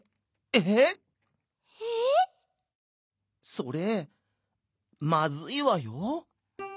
「それまずいわよ」。